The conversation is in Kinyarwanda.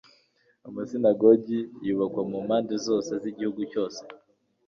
Amasinagogi yubakwa mu mpande zose z'igihugu cyose,